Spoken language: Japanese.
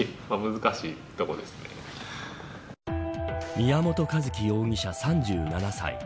宮本一希容疑者、３７歳。